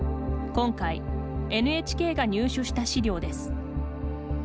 今回、ＮＨＫが入手した資料です。